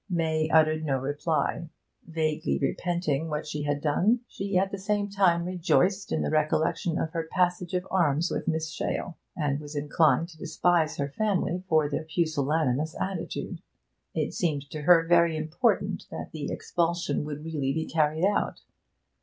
May uttered no reply. Vaguely repenting what she had done, she at the same time rejoiced in the recollection of her passage of arms with Miss Shale, and was inclined to despise her family for their pusillanimous attitude. It seemed to her very improbable that the expulsion would really be carried out.